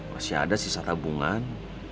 masih ada sisa tabungan